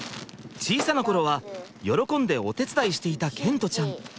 小さな頃は喜んでお手伝いしていた賢澄ちゃん。